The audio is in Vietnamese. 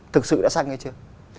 thực sự đã xanh hay chưa